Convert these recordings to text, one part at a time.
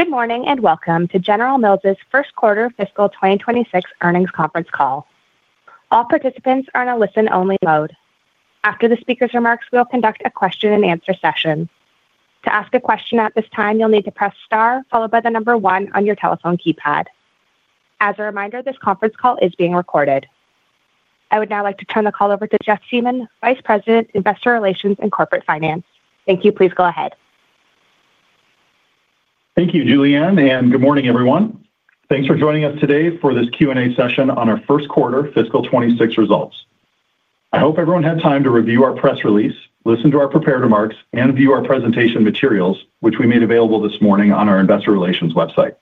Good morning and welcome to General Mills' first quarter fiscal 2026 earnings conference call. All participants are in a listen-only mode. After the speaker's remarks, we'll conduct a question-and-answer session. To ask a question at this time, you'll need to press star followed by the number one on your telephone keypad. As a reminder, this conference call is being recorded. I would now like to turn the call over to Jeff Siemon, Vice President, Investor Relations and Corporate Finance. Thank you. Please go ahead. Thank you, Julianne, and good morning, everyone. Thanks for joining us today for this Q&A session on our first quarter fiscal 2026 results. I hope everyone had time to review our press release, listen to our prepared remarks, and view our presentation materials, which we made available this morning on our Investor Relations website.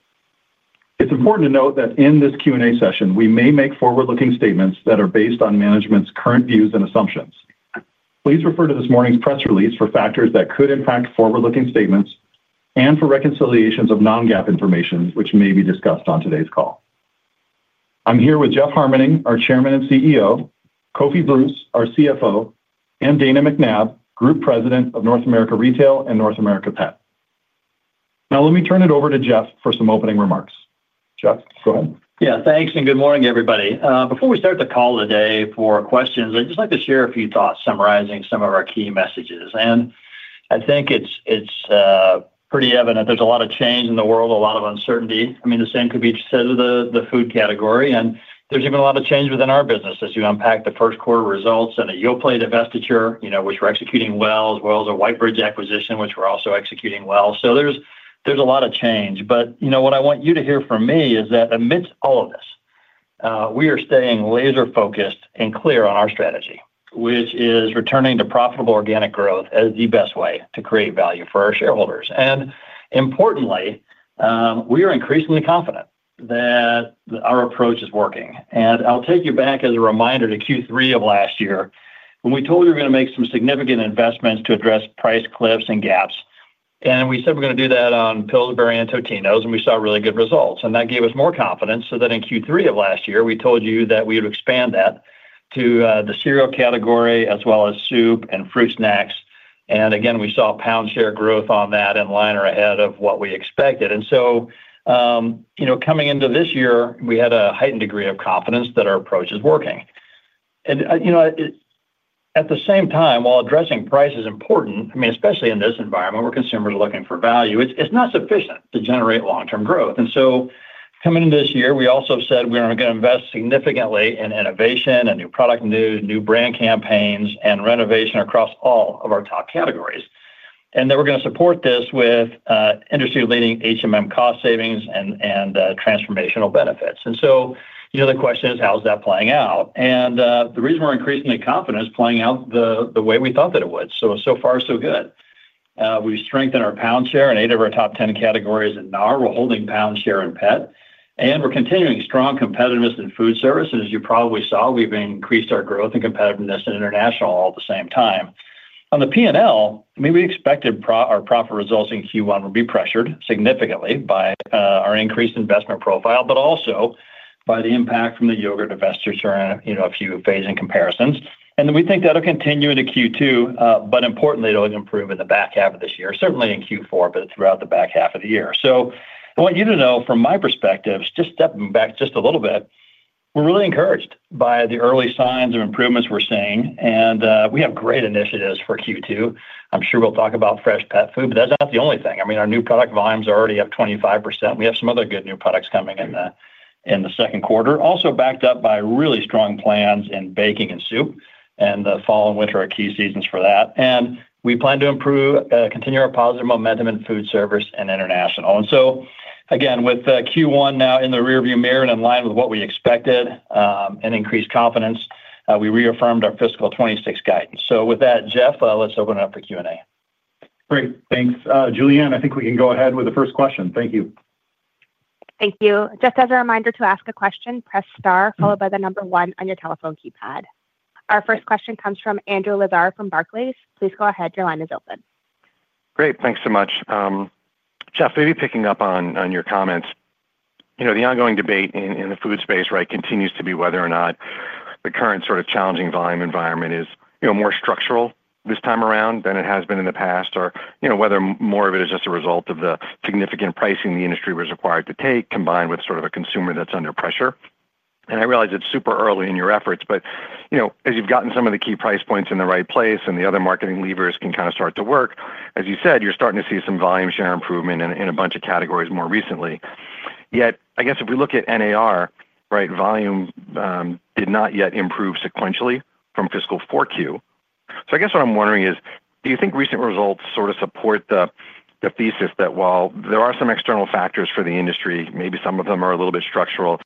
It's important to note that in this Q&A session, we may make forward-looking statements that are based on management's current views and assumptions. Please refer to this morning's press release for factors that could impact forward-looking statements and for reconciliations of non-GAAP information, which may be discussed on today's call. I'm here with Jeff Harmening, our Chairman and CEO, Kofi Bruce, our CFO, and Dana McNabb, Group President of North America Retail and North America Pet. Now, let me turn it over to Jeff for some opening remarks. Jeff, go ahead. Yeah, thanks and good morning, everybody. Before we start the call today for questions, I'd just like to share a few thoughts summarizing some of our key messages. And I think it's pretty evident there's a lot of change in the world, a lot of uncertainty. I mean, the same could be said of the food category. And there's even a lot of change within our business as you unpack the first quarter results and the Yoplait divestiture, which we're executing well, as well as a Whitebridge acquisition, which we're also executing well. So there's a lot of change. But what I want you to hear from me is that amidst all of this, we are staying laser-focused and clear on our strategy, which is returning to profitable organic growth as the best way to create value for our shareholders. And importantly, we are increasingly confident that our approach is working. And I'll take you back as a reminder to Q3 of last year when we told you we were going to make some significant investments to address price cliffs and gaps. And we said we're going to do that on Pillsbury and Totino’s, and we saw really good results. And that gave us more confidence. So then in Q3 of last year, we told you that we would expand that to the cereal category as well as soup and fruit snacks. And again, we saw pound share growth on that and liner ahead of what we expected. And so coming into this year, we had a heightened degree of confidence that our approach is working. At the same time, while addressing price is important, I mean, especially in this environment where consumers are looking for value, it's not sufficient to generate long-term growth. Coming into this year, we also said we're going to invest significantly in innovation, new product news, new brand campaigns, and renovation across all of our top categories. We're going to support this with industry-leading cost savings and transformational benefits. The question is, how is that playing out? The reason we're increasingly confident is that it's playing out the way we thought that it would. So far, so good. We've strengthened our pound share in eight of our top 10 categories and now we're holding pound share in Pet. We're continuing strong competitiveness in food service. As you probably saw, we've increased our growth and competitiveness in international all at the same time. On the P&L, I mean, we expected our profit results in Q1 would be pressured significantly by our increased investment profile, but also by the impact from the Yoplait divestiture and a few phasing comparisons. We think that'll continue into Q2, but importantly, it'll improve in the back half of this year, certainly in Q4, but throughout the back half of the year. I want you to know from my perspective, just stepping back just a little bit, we're really encouraged by the early signs of improvements we're seeing. We have great initiatives for Q2. I'm sure we'll talk about fresh pet food, but that's not the only thing. I mean, our new product volumes are already up 25%. We have some other good new products coming in the second quarter, also backed up by really strong plans in baking and soup. And the fall and winter are key seasons for that. And we plan to continue our positive momentum in food service and international. And so again, with Q1 now in the rearview mirror and in line with what we expected and increased confidence, we reaffirmed our fiscal 2026 guidance. So with that, Jeff, let's open it up for Q&A. Great. Thanks. Julianne, I think we can go ahead with the first question. Thank you. Thank you. Just as a reminder to ask a question, press star followed by the number one on your telephone keypad. Our first question comes from Andrew Lazar from Barclays. Please go ahead. Your line is open. Great. Thanks so much. Jeff, maybe picking up on your comments, the ongoing debate in the food space, right, continues to be whether or not the current sort of challenging volume environment is more structural this time around than it has been in the past, or whether more of it is just a result of the significant pricing the industry was required to take combined with sort of a consumer that's under pressure. And I realize it's super early in your efforts, but as you've gotten some of the key price points in the right place and the other marketing levers can kind of start to work, as you said, you're starting to see some volume share improvement in a bunch of categories more recently. Yet, I guess if we look at NAR, right, volume did not yet improve sequentially from fiscal 4Q. I guess what I'm wondering is, do you think recent results sort of support the thesis that while there are some external factors for the industry, maybe some of them are a little bit structural,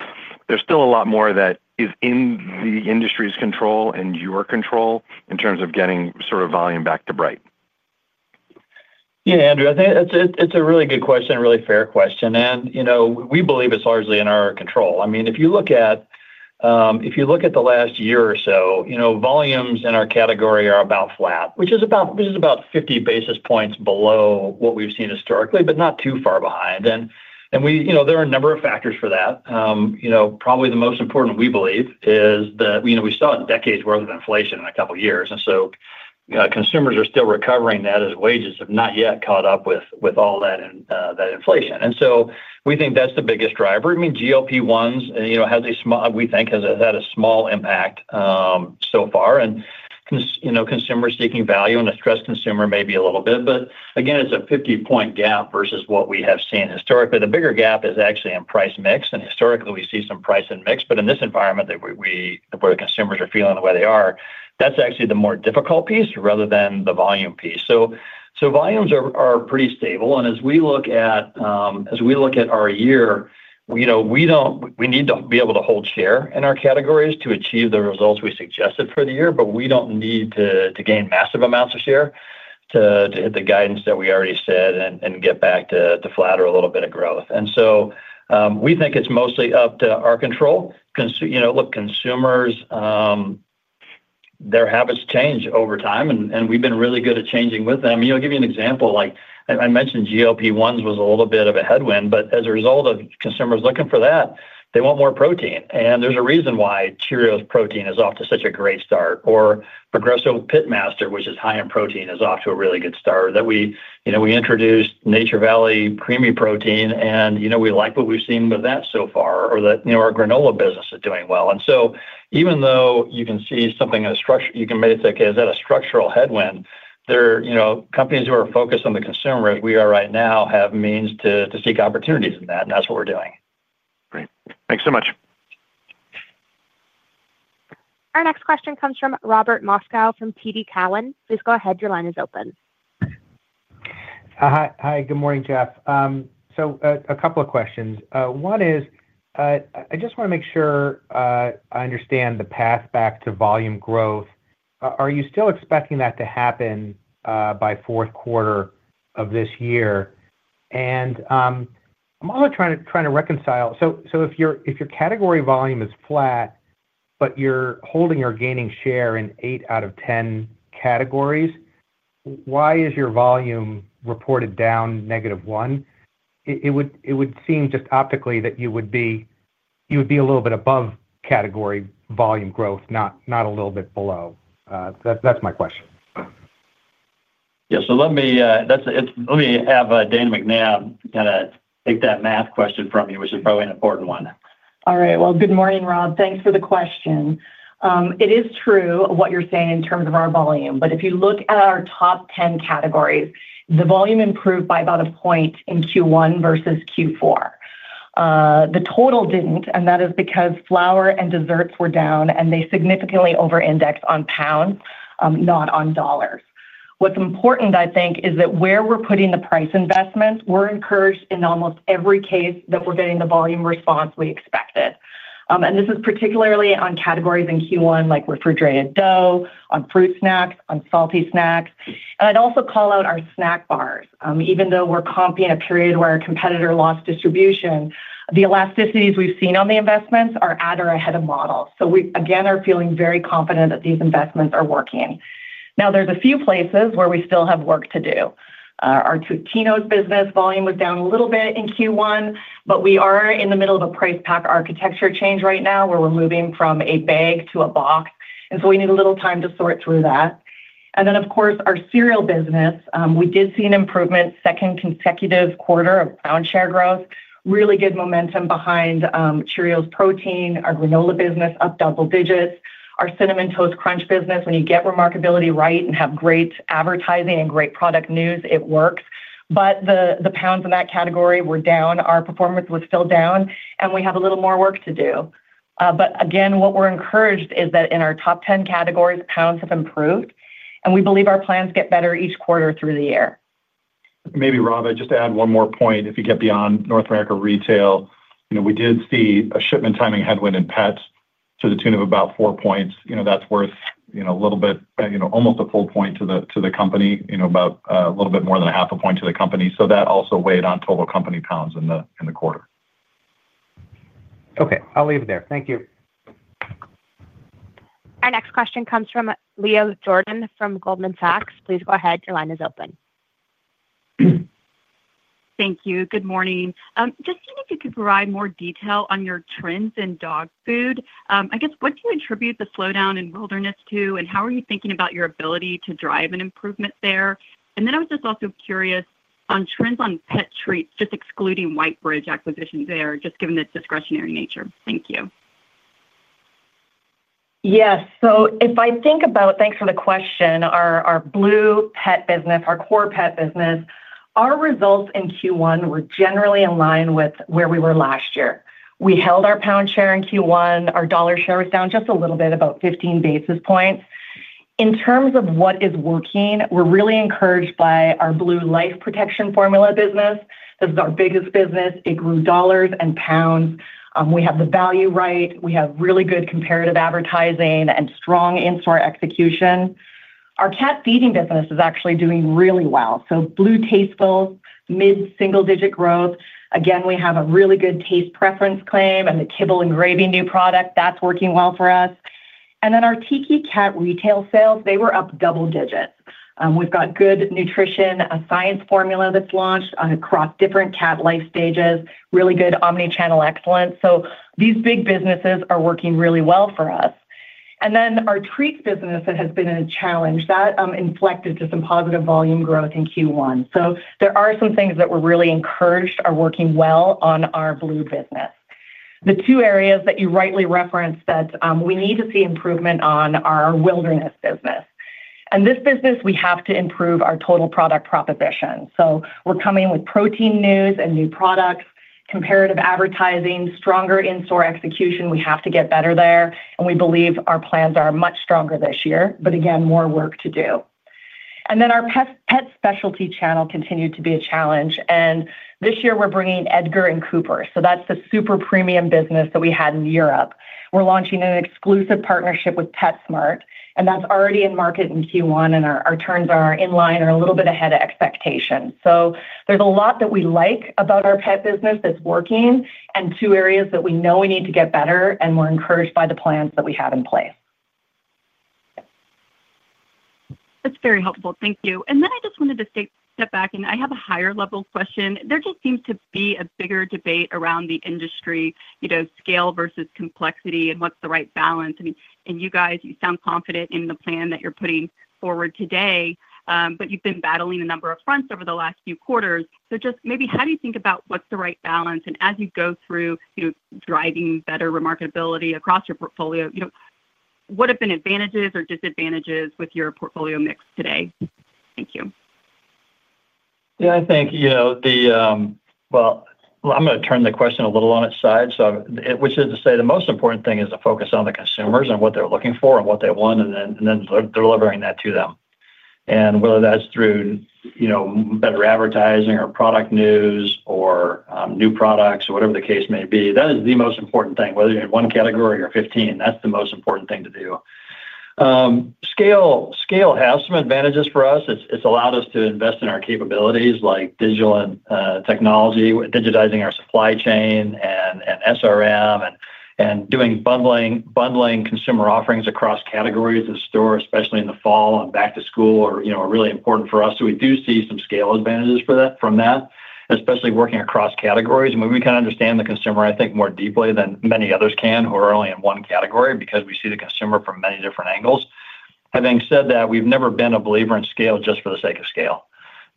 there's still a lot more that is in the industry's control and your control in terms of getting sort of volume back, right? Yeah, Andrew. I think it's a really good question, really fair question. And we believe it's largely in our control. I mean, if you look at the last year or so, volumes in our category are about flat, which is about 50 basis points below what we've seen historically, but not too far behind. And there are a number of factors for that. Probably the most important we believe is that we saw a decade's worth of inflation in a couple of years. And so consumers are still recovering that as wages have not yet caught up with all that inflation. And so we think that's the biggest driver. I mean, GLP-1s has a small, we think has had a small impact so far. And consumers seeking value and a stressed consumer maybe a little bit. But again, it's a 50-point gap versus what we have seen historically. The bigger gap is actually in price mix. And historically, we see some price-mix. But in this environment where consumers are feeling the way they are, that's actually the more difficult piece rather than the volume piece. So volumes are pretty stable. And as we look at our year, we need to be able to hold share in our categories to achieve the results we suggested for the year. But we don't need to gain massive amounts of share to hit the guidance that we already said and get back to flatter a little bit of growth. And so we think it's mostly up to our control. Look, consumers, their habits change over time, and we've been really good at changing with them. I'll give you an example. I mentioned GLP-1s was a little bit of a headwind, but as a result of consumers looking for that, they want more protein, and there's a reason why Cheerios Protein is off to such a great start, or Progresso Pitmaster, which is high in protein, is off to a really good start that we introduced Nature Valley Creamy Protein, and we like what we've seen with that so far, or that our granola business is doing well, and so even though you can see something in a structure, you can maybe think, is that a structural headwind? Companies who are focused on the consumer, as we are right now, have means to seek opportunities in that, and that's what we're doing. Great. Thanks so much. Our next question comes from Robert Moskow from TD Cowen. Please go ahead. Your line is open. Hi. Good morning, Jeff, so a couple of questions. One is, I just want to make sure I understand the path back to volume growth. Are you still expecting that to happen by fourth quarter of this year, and I'm also trying to reconcile, so if your category volume is flat, but you're holding or gaining share in eight out of 10 categories, why is your volume reported down -1? It would seem just optically that you would be a little bit above category volume growth, not a little bit below. That's my question. Yeah. So let me have Dana McNabb kind of take that math question from you, which is probably an important one. All right. Well, good morning, Rob. Thanks for the question. It is true what you're saying in terms of our volume. But if you look at our top 10 categories, the volume improved by about a point in Q1 versus Q4. The total didn't, and that is because flour and desserts were down, and they significantly over-indexed on pounds, not on dollars. What's important, I think, is that where we're putting the price investment, we're encouraged in almost every case that we're getting the volume response we expected. And this is particularly on categories in Q1, like refrigerated dough, on fruit snacks, on salty snacks. And I'd also call out our snack bars. Even though we're comping a period where our competitor lost distribution, the elasticities we've seen on the investments are at or ahead of models. So we, again, are feeling very confident that these investments are working. Now, there's a few places where we still have work to do. Our Totino’s business volume was down a little bit in Q1, but we are in the middle of a price pack architecture change right now where we're moving from a bag to a box. And so we need a little time to sort through that. And then, of course, our cereal business, we did see an improvement, second consecutive quarter of pound share growth, really good momentum behind Cheerios Protein, our granola business up double digits, our Cinnamon Toast Crunch business. When you get remarkability right and have great advertising and great product news, it works. But the pounds in that category were down. Our performance was still down, and we have a little more work to do. But again, what we're encouraged is that in our top 10 categories, pounds have improved, and we believe our plans get better each quarter through the year. Maybe, Rob, I'd just add one more point. If you get beyond North America retail, we did see a shipment timing headwind in Pet to the tune of about four points. That's worth a little bit, almost a full point to the company, about a little bit more than a half a point to the company. So that also weighed on total company pounds in the quarter. Okay. I'll leave it there. Thank you. Our next question comes from Leah Jordan from Goldman Sachs. Please go ahead. Your line is open. Thank you. Good morning. Just seeing if you could provide more detail on your trends in dog food. I guess, what do you attribute the slowdown in Wilderness to, and how are you thinking about your ability to drive an improvement there? And then I was just also curious on trends on pet treats, just excluding Whitebridge acquisition there, just given its discretionary nature. Thank you. Yes. So if I think about, thanks for the question, our Blue Pet business, our core pet business, our results in Q1 were generally in line with where we were last year. We held our pound share in Q1. Our dollar share was down just a little bit, about 15 basis points. In terms of what is working, we're really encouraged by our Blue Life Protection Formula business. This is our biggest business. It grew dollars and pounds. We have the value right. We have really good comparative advertising and strong in-store execution. Our cat feeding business is actually doing really well. So Blue Tastefuls, mid-single digit growth. Again, we have a really good taste preference claim and the kibble engraving new product. That's working well for us. And then our Tiki Cat retail sales, they were up double digits. We've got good nutrition, a science formula that's launched across different cat life stages, really good omnichannel excellence. So these big businesses are working really well for us. And then our treats business that has been in a challenge, that inflected to some positive volume growth in Q1. So there are some things that we're really encouraged are working well on our blue business. The two areas that you rightly referenced that we need to see improvement on are our Wilderness business. And this business, we have to improve our total product proposition. So we're coming with protein news and new products, comparative advertising, stronger in-store execution. We have to get better there. And we believe our plans are much stronger this year, but again, more work to do. And then our pet specialty channel continued to be a challenge. And this year, we're bringing Edgard & Cooper. So that's the super premium business that we had in Europe. We're launching an exclusive partnership with PetSmart, and that's already in market in Q1. And our turns are in line a little bit ahead of expectations. So there's a lot that we like about our pet business that's working and two areas that we know we need to get better, and we're encouraged by the plans that we have in place. That's very helpful. Thank you. And then I just wanted to step back, and I have a higher-level question. There just seems to be a bigger debate around the industry, scale versus complexity and what's the right balance. And you guys, you sound confident in the plan that you're putting forward today, but you've been battling a number of fronts over the last few quarters. So just maybe how do you think about what's the right balance? And as you go through driving better remarkability across your portfolio, what have been advantages or disadvantages with your portfolio mix today? Thank you. Yeah, I think, well, I'm going to turn the question a little on its side. So which is to say the most important thing is to focus on the consumers and what they're looking for and what they want, and then delivering that to them. And whether that's through better advertising or product news or new products or whatever the case may be, that is the most important thing. Whether you're in one category or 15, that's the most important thing to do. Scale has some advantages for us. It's allowed us to invest in our capabilities like digital and technology, digitizing our supply chain and SRM and doing bundling consumer offerings across categories of store, especially in the fall and back to school are really important for us. So we do see some scale advantages from that, especially working across categories. And we kind of understand the consumer, I think, more deeply than many others can who are only in one category because we see the consumer from many different angles. Having said that, we've never been a believer in scale just for the sake of scale.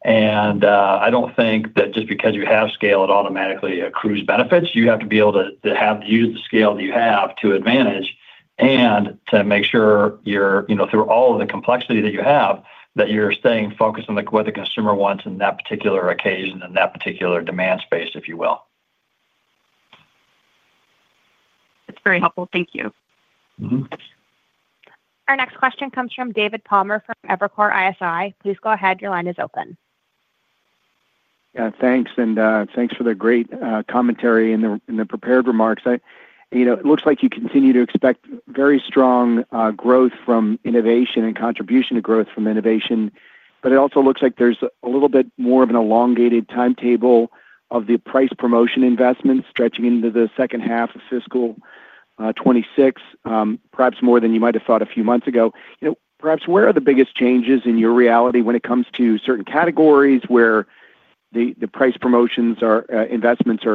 And I don't think that just because you have scale, it automatically accrues benefits. You have to be able to use the scale that you have to advantage and to make sure through all of the complexity that you have that you're staying focused on what the consumer wants in that particular occasion and that particular demand space, if you will. That's very helpful. Thank you. Our next question comes from David Palmer from Evercore ISI. Please go ahead. Your line is open. Yeah. Thanks. And thanks for the great commentary and the prepared remarks. It looks like you continue to expect very strong growth from innovation and contribution to growth from innovation. But it also looks like there's a little bit more of an elongated timetable of the price promotion investments stretching into the second half of fiscal 2026, perhaps more than you might have thought a few months ago. Perhaps where are the biggest changes in your reality when it comes to certain categories where the price promotions investments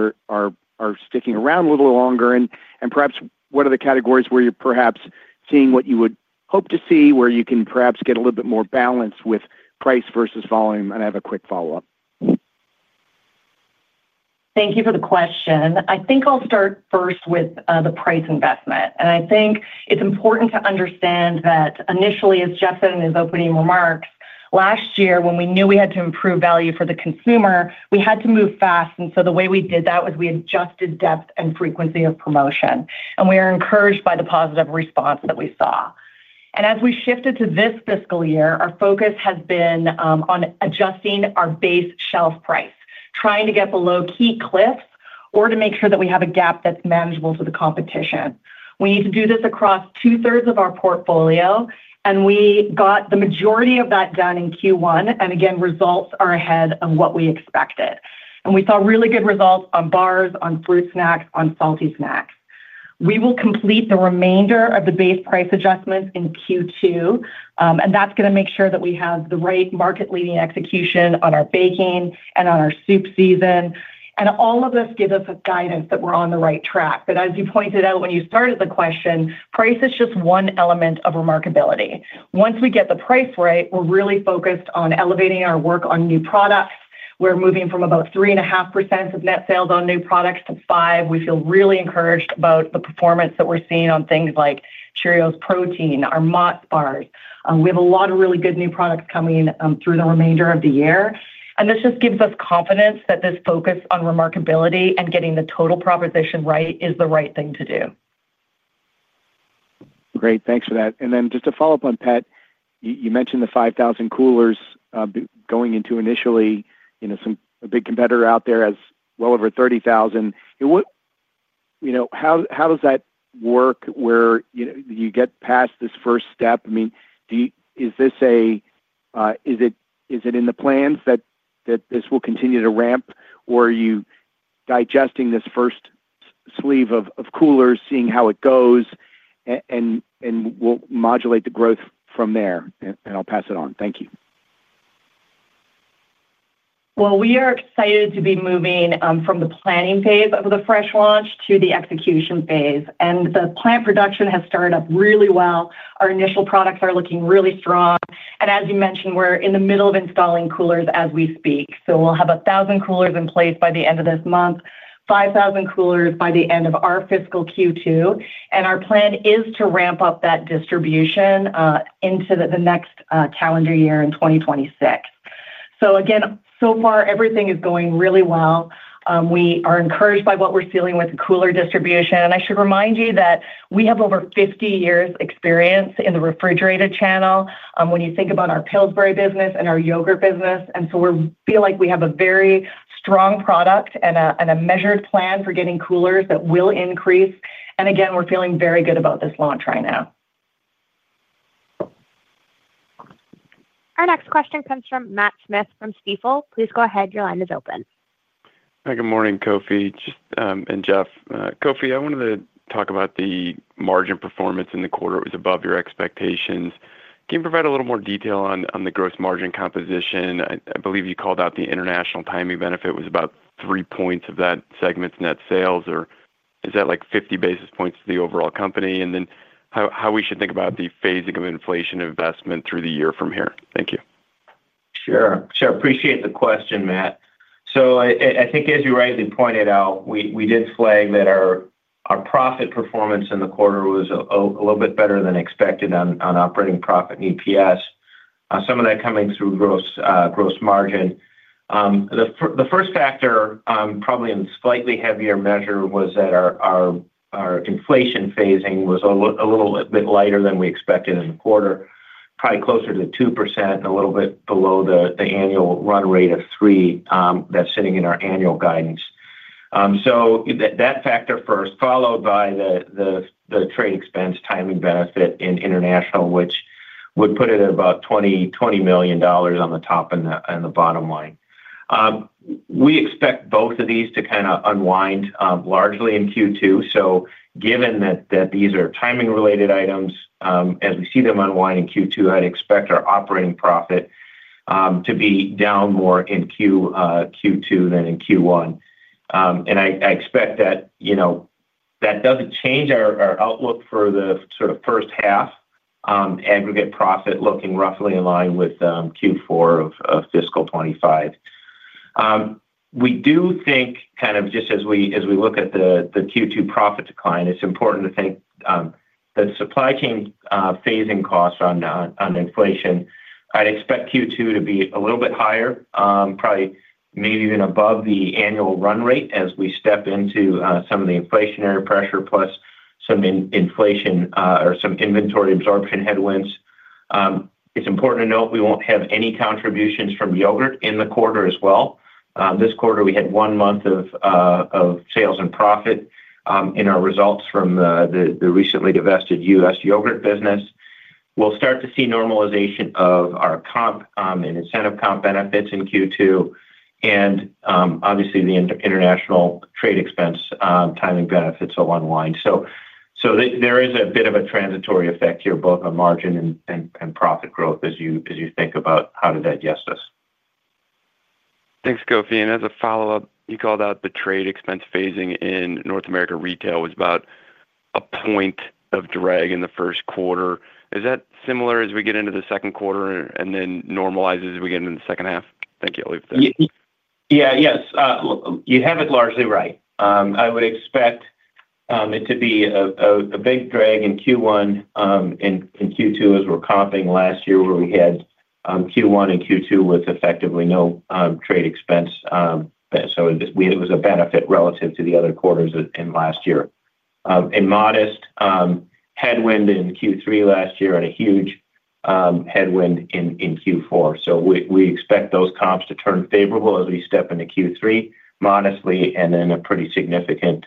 are sticking around a little longer? And perhaps what are the categories where you're perhaps seeing what you would hope to see, where you can perhaps get a little bit more balance with price versus volume? And I have a quick follow-up. Thank you for the question. I think I'll start first with the price investment. And I think it's important to understand that initially, as Jeff said in his opening remarks, last year, when we knew we had to improve value for the consumer, we had to move fast. And so the way we did that was we adjusted depth and frequency of promotion. And we are encouraged by the positive response that we saw. And as we shifted to this fiscal year, our focus has been on adjusting our base shelf price, trying to get below key price cliffs or to make sure that we have a price gap that's manageable to the competition. We need to do this across 2/3 of our portfolio, and we got the majority of that done in Q1. And again, results are ahead of what we expected. We saw really good results on bars, on fruit snacks, on salty snacks. We will complete the remainder of the base price adjustments in Q2, and that's going to make sure that we have the right market-leading execution on our baking and on our soup season. All of this gives us a guidance that we're on the right track. But as you pointed out when you started the question, price is just one element of remarkability. Once we get the price right, we're really focused on elevating our work on new products. We're moving from about 3.5% of net sales on new products to 5%. We feel really encouraged about the performance that we're seeing on things like Cheerios Protein, our Mott's bars. We have a lot of really good new products coming through the remainder of the year. This just gives us confidence that this focus on remarkability and getting the total proposition right is the right thing to do. Great. Thanks for that. And then just to follow up on pet, you mentioned the 5,000 coolers going into initially a big competitor out there as well over 30,000. How does that work where you get past this first step? I mean, is this, is it in the plans that this will continue to ramp, or are you digesting this first sleeve of coolers, seeing how it goes, and we'll modulate the growth from there? And I'll pass it on. Thank you. We are excited to be moving from the planning phase of the fresh launch to the execution phase. The plant production has started up really well. Our initial products are looking really strong. As you mentioned, we're in the middle of installing coolers as we speak. We'll have 1,000 coolers in place by the end of this month, 5,000 coolers by the end of our fiscal Q2. Our plan is to ramp up that distribution into the next calendar year in 2026. Again, so far, everything is going really well. We are encouraged by what we're seeing with the cooler distribution. I should remind you that we have over 50 years' experience in the refrigerated channel when you think about our Pillsbury business and our yogurt business. And so we feel like we have a very strong product and a measured plan for getting coolers that will increase. And again, we're feeling very good about this launch right now. Our next question comes from Matt Smith from Stifel. Please go ahead. Your line is open. Hi, good morning, Kofi and Jeff. Kofi, I wanted to talk about the margin performance in the quarter. It was above your expectations. Can you provide a little more detail on the gross margin composition? I believe you called out the international timing benefit was about three points of that segment's net sales. Or is that like 50 basis points to the overall company? And then how we should think about the phasing of inflation investment through the year from here? Thank you. Sure. Sure. Appreciate the question, Matt. So I think, as you rightly pointed out, we did flag that our profit performance in the quarter was a little bit better than expected on operating profit and EPS, some of that coming through gross margin. The first factor, probably in a slightly heavier measure, was that our inflation phasing was a little bit lighter than we expected in the quarter, probably closer to 2% and a little bit below the annual run rate of 3% that's sitting in our annual guidance. So that factor first, followed by the trade expense timing benefit in international, which would put it at about $20 million on the top and the bottom line. We expect both of these to kind of unwind largely in Q2. Given that these are timing-related items, as we see them unwind in Q2, I'd expect our operating profit to be down more in Q2 than in Q1. I expect that that doesn't change our outlook for the sort of first half aggregate profit looking roughly in line with Q4 of fiscal 2025. We do think kind of just as we look at the Q2 profit decline, it's important to think that supply chain phasing costs on inflation, I'd expect Q2 to be a little bit higher, probably maybe even above the annual run rate as we step into some of the inflationary pressure plus some inflation or some inventory absorption headwinds. It's important to note we won't have any contributions from yogurt in the quarter as well. This quarter, we had one month of sales and profit in our results from the recently divested U.S. yogurt business. We'll start to see normalization of our comp and incentive comp benefits in Q2 and obviously the international trade expense timing benefits will unwind, so there is a bit of a transitory effect here, both on margin and profit growth as you think about how to digest this. Thanks, Kofi. And as a follow-up, you called out the trade expense phasing in North America Retail was about a point of drag in the first quarter. Is that similar as we get into the second quarter and then normalizes as we get into the second half? Thank you. I'll leave it there. Yeah. Yes. You have it largely right. I would expect it to be a big drag in Q1 and Q2 as we're comping last year where we had Q1 and Q2 with effectively no trade expense. So it was a benefit relative to the other quarters in last year. A modest headwind in Q3 last year and a huge headwind in Q4. So we expect those comps to turn favorable as we step into Q3 modestly and then a pretty significant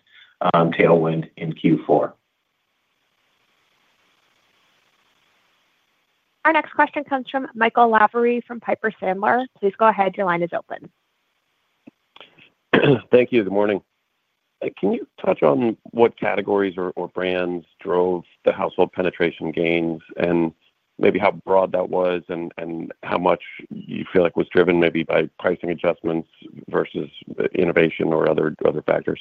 tailwind in Q4. Our next question comes from Michael Lavery from Piper Sandler. Please go ahead. Your line is open. Thank you. Good morning. Can you touch on what categories or brands drove the household penetration gains and maybe how broad that was and how much you feel like was driven maybe by pricing adjustments versus innovation or other factors?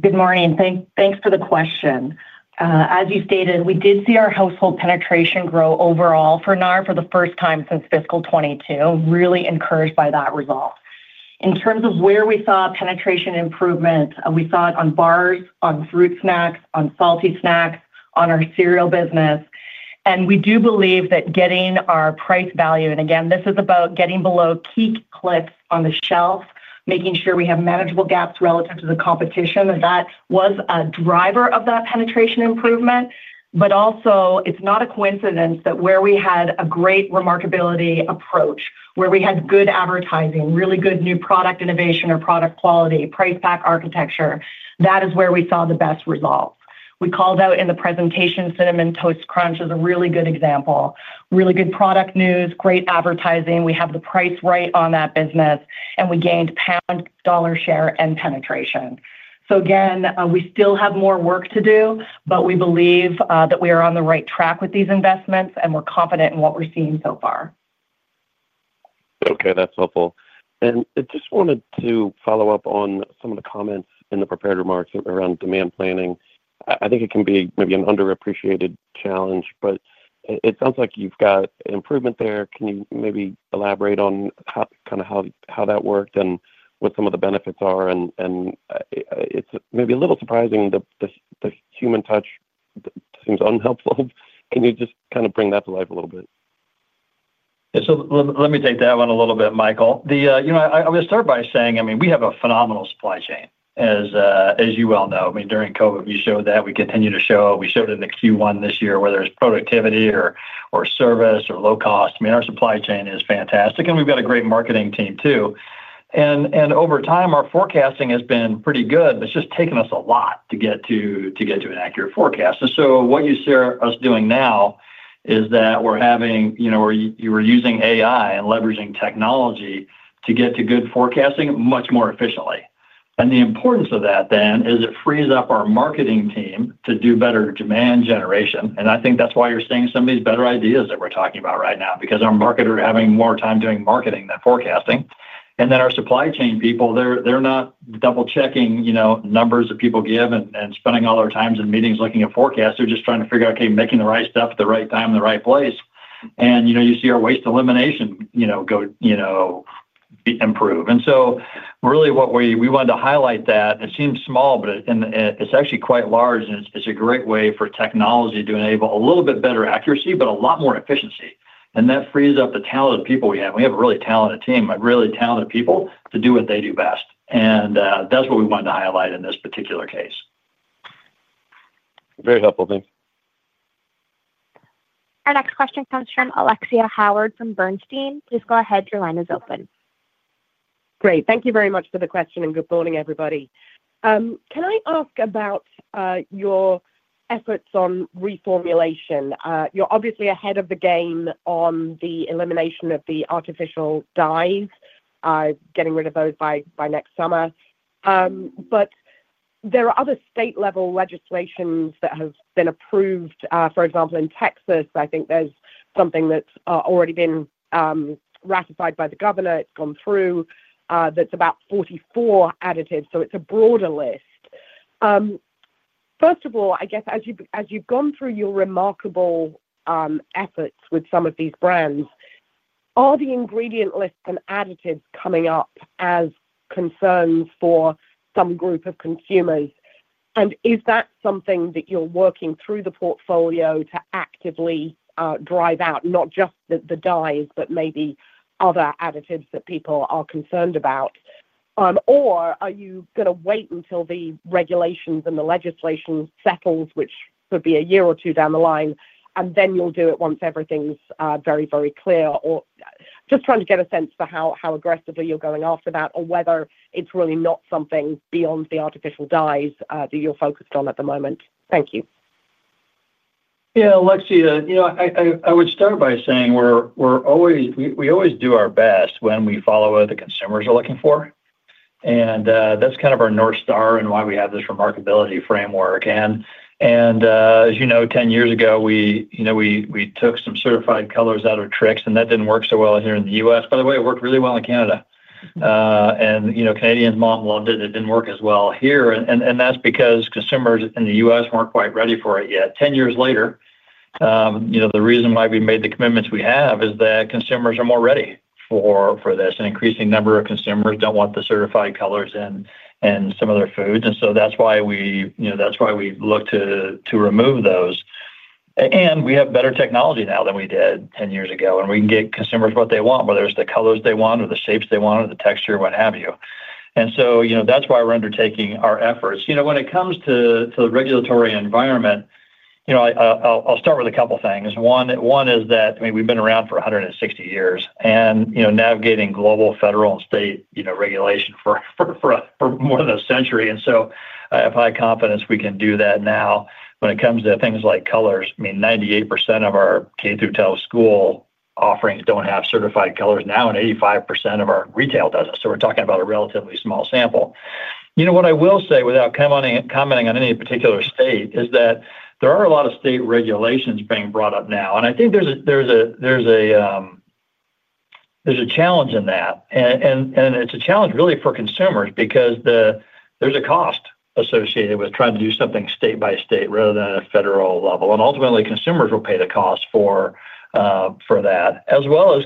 Good morning. Thanks for the question. As you stated, we did see our household penetration grow overall for NAR for the first time since fiscal 2022, really encouraged by that result. In terms of where we saw penetration improvements, we saw it on bars, on fruit snacks, on salty snacks, on our cereal business. And we do believe that getting our price value, and again, this is about getting below key cliffs on the shelf, making sure we have manageable gaps relative to the competition, that that was a driver of that penetration improvement. But also, it's not a coincidence that where we had a great remarkability approach, where we had good advertising, really good new product innovation or product quality, price pack architecture, that is where we saw the best results. We called out in the presentation Cinnamon Toast Crunch as a really good example, really good product news, great advertising. We have the price right on that business, and we gained pound share and dollar share and penetration, so again, we still have more work to do, but we believe that we are on the right track with these investments, and we're confident in what we're seeing so far. Okay. That's helpful. And I just wanted to follow up on some of the comments in the prepared remarks around demand planning. I think it can be maybe an underappreciated challenge, but it sounds like you've got improvement there, can you maybe elaborate on kind of how that worked and what some of the benefits are? And it's maybe a little surprising that the human touch seems unhelpful. Can you just kind of bring that to life a little bit? So let me take that one a little bit, Michael. I'm going to start by saying, I mean, we have a phenomenal supply chain, as you well know. I mean, during COVID, we showed that. We continue to show. We showed it in the Q1 this year, whether it's productivity or service or low cost. I mean, our supply chain is fantastic. And we've got a great marketing team too. And over time, our forecasting has been pretty good, but it's just taken us a lot to get to an accurate forecast. And so what you see us doing now is that we're using AI and leveraging technology to get to good forecasting much more efficiently. And the importance of that then is it frees up our marketing team to do better demand generation. And I think that's why you're seeing some of these better ideas that we're talking about right now, because our marketers are having more time doing marketing than forecasting. And then our supply chain people, they're not double-checking numbers that people give and spending all their time in meetings looking at forecasts. They're just trying to figure out, okay, making the right stuff at the right time in the right place. And you see our waste elimination improve. And so really what we wanted to highlight that it seems small, but it's actually quite large. And it's a great way for technology to enable a little bit better accuracy, but a lot more efficiency. And that frees up the talented people we have. We have a really talented team, really talented people to do what they do best. And that's what we wanted to highlight in this particular case. Very helpful. Thanks. Our next question comes from Alexia Howard from Bernstein. Please go ahead. Your line is open. Great. Thank you very much for the question and good morning, everybody. Can I ask about your efforts on reformulation? You're obviously ahead of the game on the elimination of the artificial dyes, getting rid of those by next summer. But there are other state-level legislations that have been approved, for example, in Texas, I think there's something that's already been ratified by the governor. It's gone through. That's about 44 additives, so it's a broader list. First of all, I guess as you've gone through your remarkable efforts with some of these brands, are the ingredient lists and additives coming up as concerns for some group of consumers? And is that something that you're working through the portfolio to actively drive out, not just the dyes, but maybe other additives that people are concerned about? Or are you going to wait until the regulations and the legislation settles, which could be a year or two down the line, and then you'll do it once everything's very, very clear? Or just trying to get a sense for how aggressively you're going after that or whether it's really not something beyond the artificial dyes that you're focused on at the moment. Thank you. Yeah, Alexia, I would start by saying we always do our best when we follow what the consumers are looking for. And that's kind of our North Star and why we have this Remarkability framework. And as you know, 10 years ago, we took some certified colors out of Trix, and that didn't work so well here in the U.S. By the way, it worked really well in Canada. And Canadian moms loved it. It didn't work as well here. And that's because consumers in the U.S. weren't quite ready for it yet. 10 years later, the reason why we made the commitments we have is that consumers are more ready for this. An increasing number of consumers don't want the certified colors in some of their foods. And so that's why we look to remove those. And we have better technology now than we did 10 years ago. And we can get consumers what they want, whether it's the colors they want or the shapes they want or the texture, what have you. And so that's why we're undertaking our efforts. When it comes to the regulatory environment, I'll start with a couple of things. One is that, I mean, we've been around for 160 years and navigating global federal and state regulation for more than a century. And so I have high confidence we can do that now. When it comes to things like colors, I mean, 98% of our K-12 school offerings don't have certified colors now, and 85% of our retail doesn't. So we're talking about a relatively small sample. What I will say without commenting on any particular state is that there are a lot of state regulations being brought up now. And I think there's a challenge in that. And it's a challenge really for consumers because there's a cost associated with trying to do something state by state rather than at a federal level. And ultimately, consumers will pay the cost for that, as well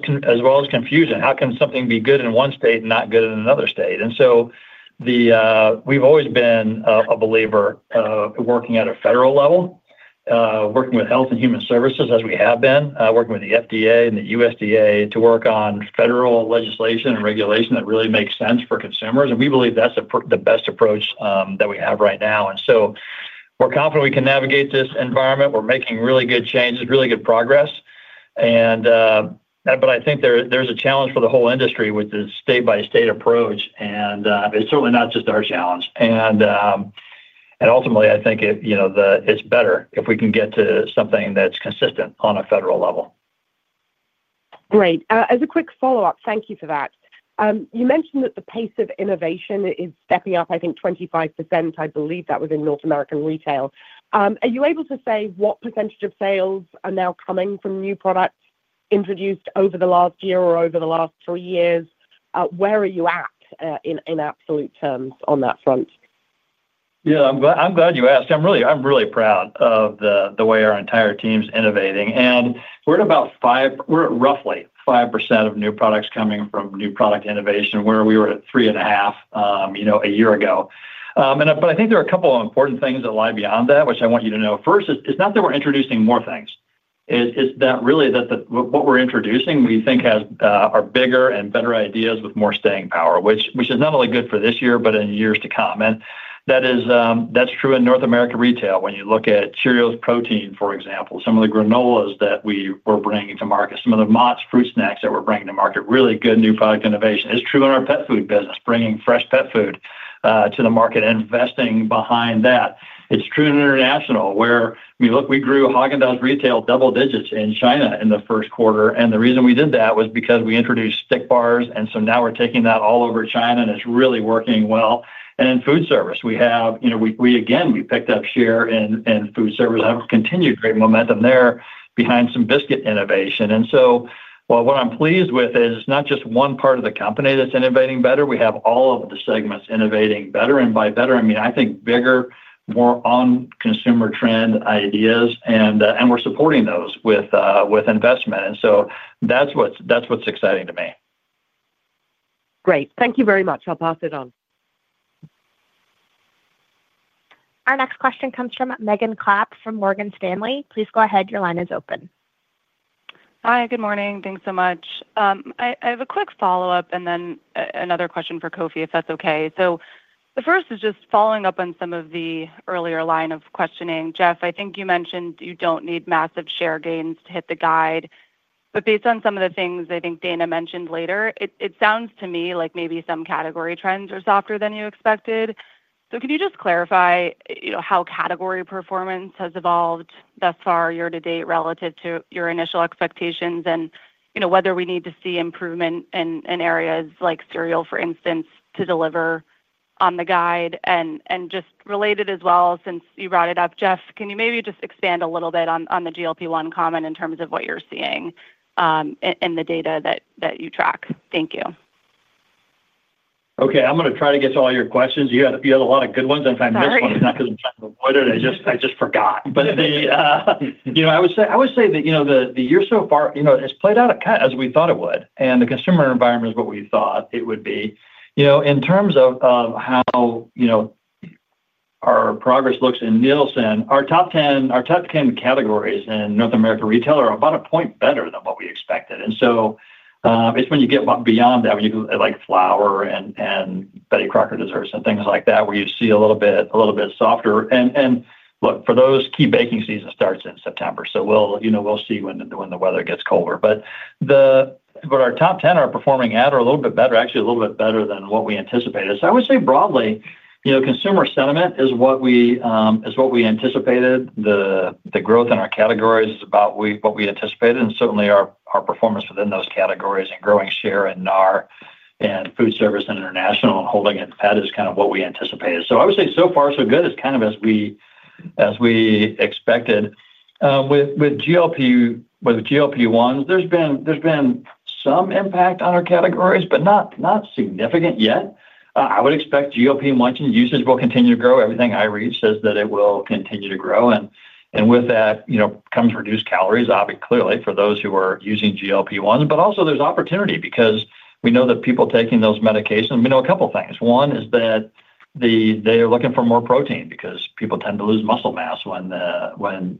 as confusion. How can something be good in one state and not good in another state? And so we've always been a believer of working at a federal level, working with Health and Human Services as we have been, working with the FDA and the USDA to work on federal legislation and regulation that really makes sense for consumers. And we believe that's the best approach that we have right now. And so we're confident we can navigate this environment. We're making really good changes, really good progress. But I think there's a challenge for the whole industry with the state-by-state approach. And it's certainly not just our challenge. Ultimately, I think it's better if we can get to something that's consistent on a federal level. Great. As a quick follow-up, thank you for that. You mentioned that the pace of innovation is stepping up, I think, 25%. I believe that was in North America Retail. Are you able to say what percentage of sales are now coming from new products introduced over the last year or over the last three years? Where are you at in absolute terms on that front? Yeah. I'm glad you asked. I'm really proud of the way our entire team's innovating. And we're at about roughly 5% of new products coming from new product innovation, where we were at 3.5 a year ago. But I think there are a couple of important things that lie beyond that, which I want you to know. First, it's not that we're introducing more things. It's that really that what we're introducing, we think, are bigger and better ideas with more staying power, which is not only good for this year, but in years to come. And that's true in North America Retail when you look at Cheerios Protein, for example, some of the granolas that we were bringing to market, some of the Mott's fruit snacks that we're bringing to market, really good new product innovation. It's true in our pet food business, bringing fresh pet food to the market and investing behind that. It's true in international, where we grew Häagen-Dazs retail double digits in China in the first quarter, and the reason we did that was because we introduced stick bars, and so now we're taking that all over China, and it's really working well. And in food service, we have, again, we picked up share in food service. We have continued great momentum there behind some biscuit innovation. And so what I'm pleased with is it's not just one part of the company that's innovating better. We have all of the segments innovating better. And by better, I mean, I think bigger, more on-consumer trend ideas. And we're supporting those with investment. And so that's what's exciting to me. Great. Thank you very much. I'll pass it on. Our next question comes from Megan Clapp from Morgan Stanley. Please go ahead. Your line is open. Hi. Good morning. Thanks so much. I have a quick follow-up and then another question for Kofi, if that's okay. So the first is just following up on some of the earlier line of questioning. Jeff, I think you mentioned you don't need massive share gains to hit the guide. But based on some of the things I think Dana mentioned later, it sounds to me like maybe some category trends are softer than you expected. So can you just clarify how category performance has evolved thus far year-to-date relative to your initial expectations and whether we need to see improvement in areas like cereal, for instance, to deliver on the guide? And just related as well, since you brought it up, Jeff, can you maybe just expand a little bit on the GLP-1 comment in terms of what you're seeing in the data that you track? Thank you. Okay. I'm going to try to get to all your questions. You had a lot of good ones. I'm trying to miss one. It's not because I'm trying to avoid it. I just forgot. But I would say that the year so far has played out as we thought it would. And the consumer environment is what we thought it would be. In terms of how our progress looks in Nielsen, our top 10 categories in North America retail are about a point better than what we expected. And so it's when you get beyond that, when you go to flour and Betty Crocker desserts and things like that, where you see a little bit softer. And look, for those key baking season starts in September. So we'll see when the weather gets colder. But our top 10 are performing at or a little bit better, actually a little bit better than what we anticipated. So I would say broadly, consumer sentiment is what we anticipated. The growth in our categories is about what we anticipated. And certainly, our performance within those categories and growing share in NAR and food service and international and holding it in pet is kind of what we anticipated. So I would say so far so good is kind of as we expected. With GLP-1s, there's been some impact on our categories, but not significant yet. I would expect GLP-1 usage will continue to grow. Everything I read says that it will continue to grow. And with that comes reduced calories, obviously, clearly, for those who are using GLP-1s. But also, there's opportunity because we know that people taking those medications, we know a couple of things. One is that they are looking for more protein because people tend to lose muscle mass when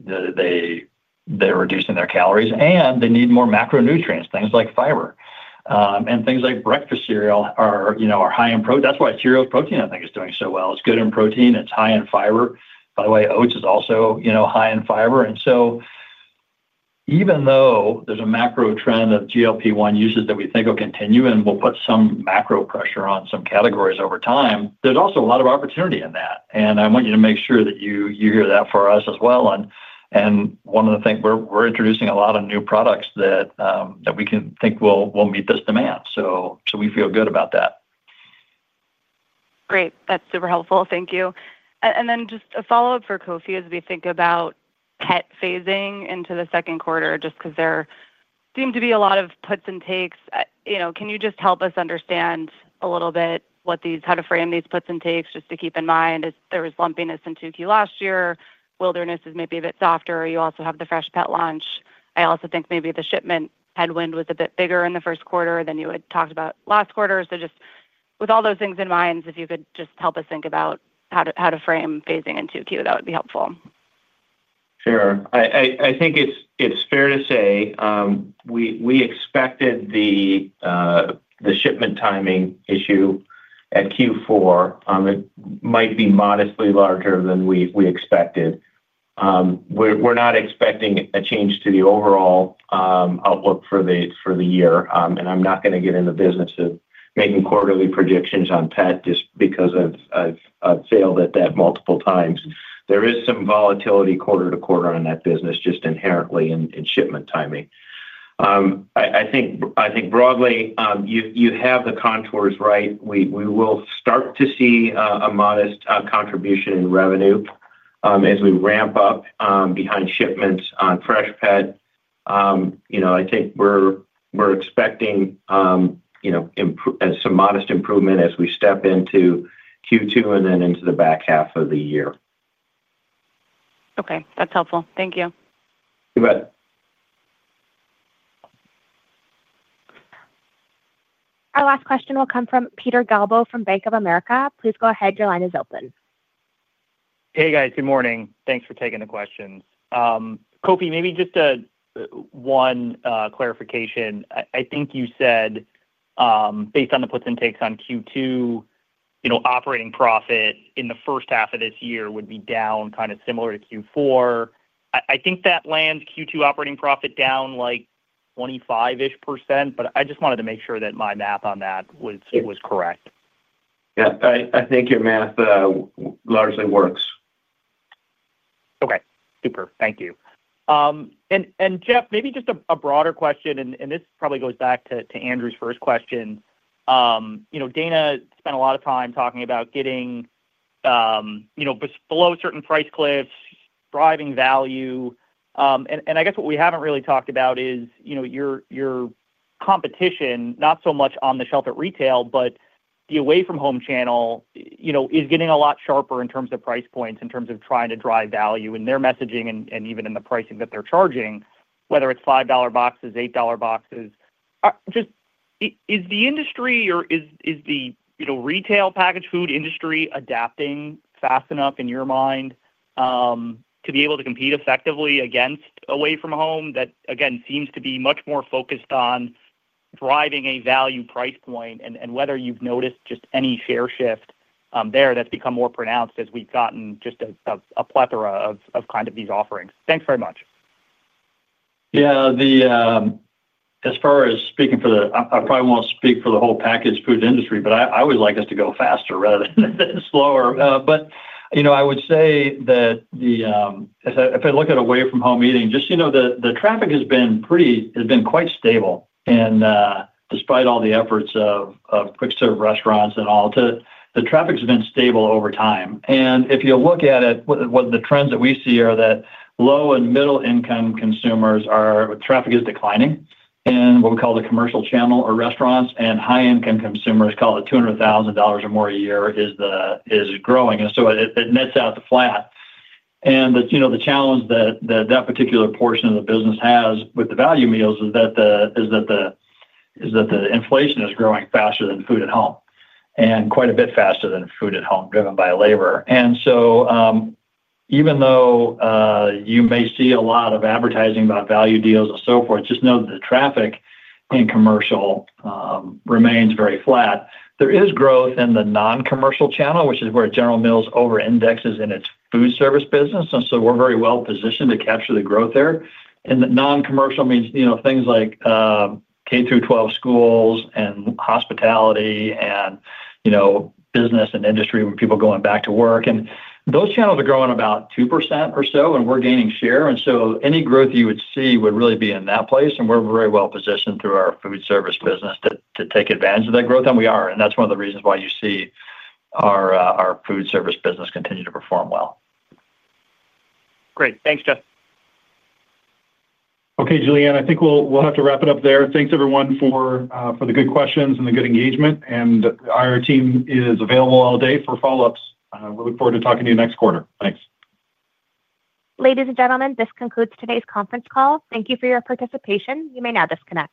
they're reducing their calories. And they need more macronutrients, things like fiber. And things like breakfast cereal are high in protein. That's why Cheerios Protein, I think, is doing so well. It's good in protein. It's high in fiber. By the way, oats is also high in fiber. And so even though there's a macro trend of GLP-1 usage that we think will continue and will put some macro pressure on some categories over time, there's also a lot of opportunity in that. And I want you to make sure that you hear that for us as well. And one of the things we're introducing a lot of new products that we can think will meet this demand. So we feel good about that. Great. That's super helpful. Thank you. And then just a follow-up for Kofi as we think about pet phasing into the second quarter, just because there seem to be a lot of puts and takes. Can you just help us understand a little bit how to frame these puts and takes just to keep in mind? There was lumpiness in 2Q last year. Wilderness is maybe a bit softer. You also have the fresh pet launch. I also think maybe the shipment headwind was a bit bigger in the first quarter than you had talked about last quarter. So just with all those things in mind, if you could just help us think about how to frame phasing in 2Q, that would be helpful. Sure. I think it's fair to say we expected the shipment timing issue at Q4. It might be modestly larger than we expected. We're not expecting a change to the overall outlook for the year. And I'm not going to get in the business of making quarterly predictions on pet just because I've failed at that multiple times. There is some volatility quarter to quarter on that business just inherently in shipment timing. I think broadly, you have the contours right. We will start to see a modest contribution in revenue as we ramp up behind shipments on fresh pet. I think we're expecting some modest improvement as we step into Q2 and then into the back half of the year. Okay. That's helpful. Thank you. You bet. Our last question will come from Peter Galbo from Bank of America. Please go ahead. Your line is open. Hey, guys. Good morning. Thanks for taking the questions. Kofi, maybe just one clarification. I think you said, based on the puts and takes on Q2, operating profit in the first half of this year would be down kind of similar to Q4. I think that lands Q2 operating profit down like 25%-ish. But I just wanted to make sure that my math on that was correct. Yeah. I think your math largely works. Okay. Super. Thank you. And Jeff, maybe just a broader question. And this probably goes back to Andrew's first question. Dana spent a lot of time talking about getting below certain price cliffs, driving value. And I guess what we haven't really talked about is your competition, not so much on the shelf at retail, but the away-from-home channel is getting a lot sharper in terms of price points, in terms of trying to drive value in their messaging and even in the pricing that they're charging, whether it's $5 boxes, $8 boxes. Is the industry or is the retail packaged food industry adapting fast enough in your mind to be able to compete effectively against away-from-home that, again, seems to be much more focused on driving a value price point? Whether you've noticed just any share shift there that's become more pronounced as we've gotten just a plethora of kind of these offerings. Thanks very much. Yeah. As far as speaking for the, I probably won't speak for the whole packaged food industry, but I would like us to go faster rather than slower. But I would say that if I look at away-from-home eating, just the traffic has been quite stable. And despite all the efforts of quick-serve restaurants and all, the traffic has been stable over time. And if you look at it, the trends that we see are that low and middle-income consumers are, traffic is declining in what we call the commercial channel or restaurants. And high-income consumers call it $200,000 or more a year is growing. And so it nets out flat. And the challenge that that particular portion of the business has with the value meals is that the inflation is growing faster than food at home and quite a bit faster than food at home driven by labor. And so even though you may see a lot of advertising about value deals and so forth, just know that the traffic in commercial remains very flat. There is growth in the non-commercial channel, which is where General Mills over-indexes in its food service business, and so we're very well-positioned to capture the growth there. And the non-commercial means things like K-12 schools and hospitality and business and industry with people going back to work. And those channels are growing about 2% or so, and we're gaining share. And so any growth you would see would really be in that place. And we're very well positioned through our food service business to take advantage of that growth. And we are. And that's one of the reasons why you see our food service business continue to perform well. Great. Thanks, Jeff. Okay, Julianne, I think we'll have to wrap it up there. Thanks, everyone, for the good questions and the good engagement. And our team is available all day for follow-ups. We look forward to talking to you next quarter. Thanks. Ladies and gentlemen, this concludes today's conference call. Thank you for your participation. You may now disconnect.